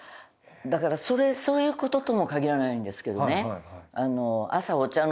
だからそれそういう事とも限らないんですけどね。